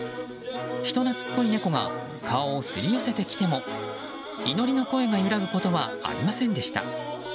人懐っこい猫が顔をすり寄せてきても祈りの声が揺らぐことはありませんでした。